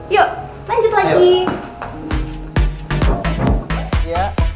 yuk lanjut lagi